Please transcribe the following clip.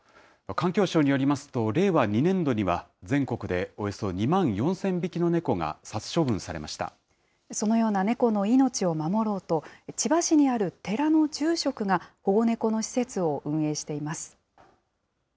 環境省によりますと、令和２年度には全国でおよそ２万４０００匹の猫が殺処分されましそのような猫の命を守ろうと、千葉市にある寺の住職が保護猫の施設を運営しています。